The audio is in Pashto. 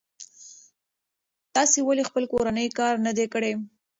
تاسې ولې خپل کورنی کار نه دی کړی؟